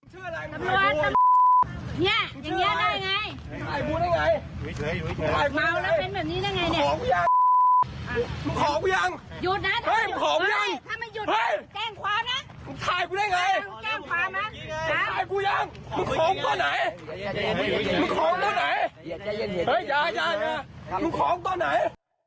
เฮ้ยยาอย่าคว้าคุณของตอนไหน